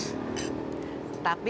oh enggak be